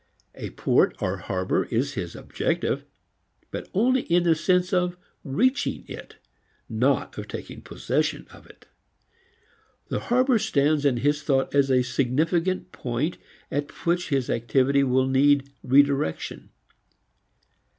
A port or harbor is his objective, but only in the sense of reaching it not of taking possession of it. The harbor stands in his thought as a significant point at which his activity will need re direction.